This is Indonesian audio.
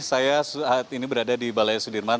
saya saat ini berada di balai sudirman